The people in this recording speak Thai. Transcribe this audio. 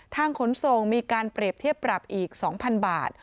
ขนส่งมีการเปรียบเทียบปรับอีก๒๐๐๐บาท